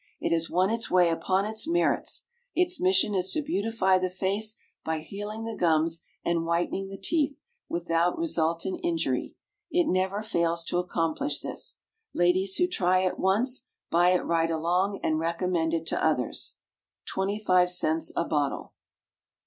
It has won its way upon its merits. Its mission is to beautify the face by healing the gums and whitening the teeth without resultant injury; it never fails to accomplish this. Ladies who try it once buy it right along, and recommend it to others. Twenty five cents a bottle.